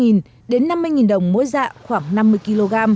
chỉ còn khoảng bốn mươi năm đến năm mươi đồng muối dạ khoảng năm mươi kg